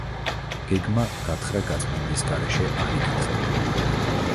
გეგმა გათხრა-გაწმენდის გარეშე არ იკითხება.